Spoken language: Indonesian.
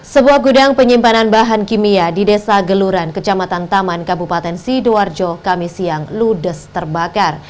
sebuah gudang penyimpanan bahan kimia di desa geluran kecamatan taman kabupaten sidoarjo kami siang ludes terbakar